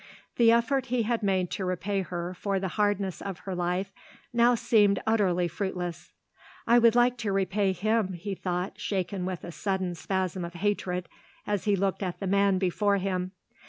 The effort he had made to repay her for the hardness of her life now seemed utterly fruitless. "I would like to repay him," he thought, shaken with a sudden spasm of hatred as he looked at the man before him.